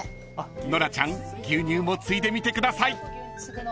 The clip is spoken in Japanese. ［ノラちゃん牛乳もついでみてください］